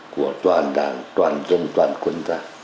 của toàn đảng toàn dân toàn quân gia